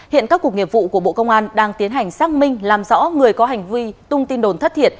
hiện các cuộc nghiệp vụ của bộ công an đang tiến hành xác minh làm rõ người có hành vi tung tin đồn thất thiệt